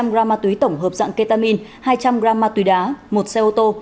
hai trăm linh gram ma túy tổng hợp dạng ketamin hai trăm linh gram ma túy đá một xe ô tô